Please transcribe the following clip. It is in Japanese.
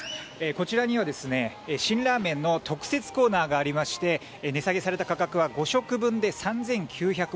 こちらには辛ラーメンの特設コーナーがありまして値下げされた価格は５食分で３９００